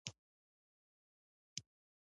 د باد سرعت هوا خړوبوي.